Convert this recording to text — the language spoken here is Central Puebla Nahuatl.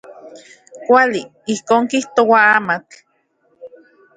Kuali, ijkon kijtoa amatl.